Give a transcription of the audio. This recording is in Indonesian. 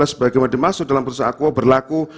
sebagai yang dimaksud dalam putusan aku berlaku